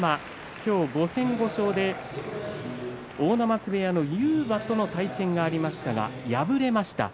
今日、５戦５勝で阿武松部屋の勇磨との対戦がありましたが敗れました。